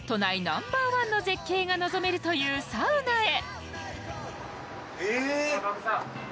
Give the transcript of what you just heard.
ナンバーワンの絶景が望めるというサウナへ。